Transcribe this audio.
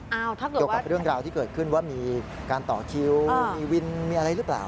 เกี่ยวกับเรื่องราวที่เกิดขึ้นว่ามีการต่อคิวมีวินมีอะไรหรือเปล่า